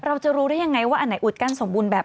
เราจะรู้ได้ยังไงว่าอันไหนอุดกั้นสมบูรณ์แบบ